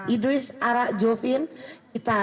idris ara jovin kita